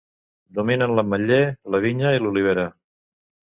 Dominen l'ametller, la vinya i l'olivera.